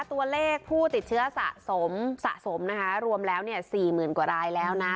ตัวเลขผู้ติดเชื้อสะสมสะสมนะคะรวมแล้วเนี่ยสี่หมื่นกว่ารายแล้วนะ